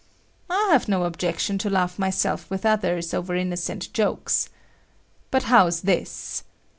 I have no objection to laugh myself with others over innocent jokes. But how's this?